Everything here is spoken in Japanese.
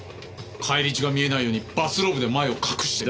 返り血が見えないようにバスローブで前を隠して。